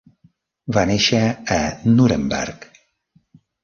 Va néixer a Nuremberg.